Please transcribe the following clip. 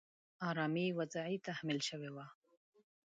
آرامي وضعې تحمیل شوې وه.